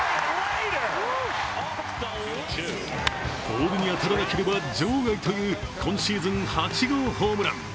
ボールに当たらなければ場外という今シーズン８号ホームラン。